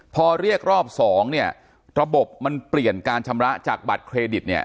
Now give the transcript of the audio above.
พอเรียกรอบสองเนี่ยระบบมันเปลี่ยนการชำระจากบัตรเครดิตเนี่ย